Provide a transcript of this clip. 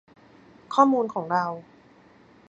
ข้อมูลของเรา